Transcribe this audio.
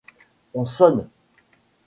On sonne.